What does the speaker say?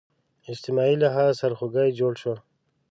اجتماعي لحاظ سرخوږی جوړ شو